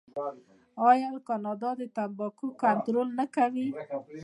آیا کاناډا د تمباکو کنټرول نه کوي؟